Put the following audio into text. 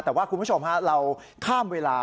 แต่ว่าคุณผู้ชมฮะเราข้ามเวลา